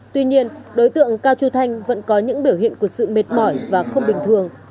tuy nhiên đối tượng cao chu thanh vẫn có những biểu hiện của sự mệt mỏi và không bình thường